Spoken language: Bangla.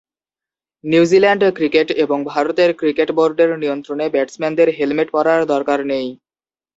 নিউজিল্যান্ড ক্রিকেট এবং ভারতের ক্রিকেট বোর্ডের নিয়ন্ত্রণে ব্যাটসম্যানদের হেলমেট পরার দরকার নেই।